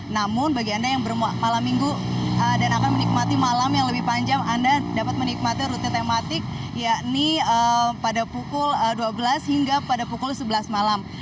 namun bagi anda yang bermalam minggu dan akan menikmati malam yang lebih panjang anda dapat menikmati rute tematik yakni pada pukul dua belas hingga pada pukul sebelas malam